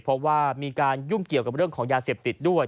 เพราะว่ามีการยุ่งเกี่ยวกับเรื่องของยาเสพติดด้วย